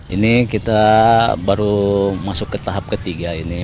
ini kita baru masuk ke tahap ketiga ini